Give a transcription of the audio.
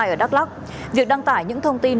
ở đắk lắc việc đăng tải những thông tin